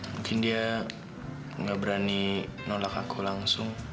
mungkin dia nggak berani nolak aku langsung